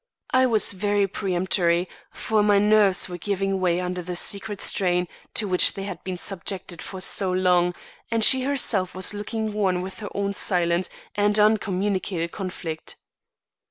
I was very peremptory, for my nerves were giving way under the secret strain to which they had been subjected for so long, and she herself was looking worn with her own silent and uncommunicated conflict.